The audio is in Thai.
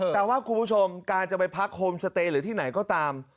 แต่ว่าคุณผู้ชมการจะไปพักโฮมสเตย์หรือที่ไหนก็ตาม